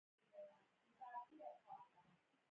آوازې خپرې شوې.